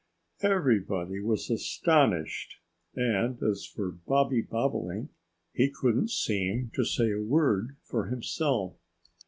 Everybody was astonished. And as for Bobby Bobolink, he couldn't seem to say a word for himself.